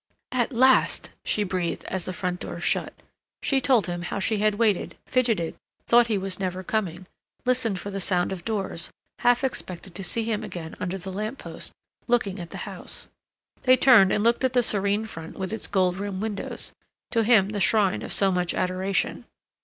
"At last!" she breathed, as the front door shut. She told him how she had waited, fidgeted, thought he was never coming, listened for the sound of doors, half expected to see him again under the lamp post, looking at the house. They turned and looked at the serene front with its gold rimmed windows, to him the shrine of so much adoration.